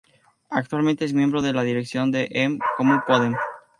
Actualmente es miembro de la dirección de "En Comú Podem.